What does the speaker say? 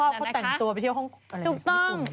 ชอบเขาแต่งตัวไปเที่ยวห้องกง